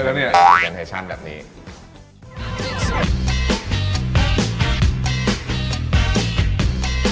คิดเยอะแล้วเนี่ย